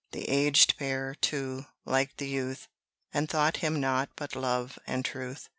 The aged pair, too, liked the youth, And thought him naught but love and truth.